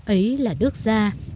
ấy là nước da